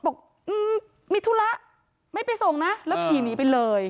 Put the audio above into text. บอกมีธุระไม่ไปส่งนะแล้วขี่หนีไปเลย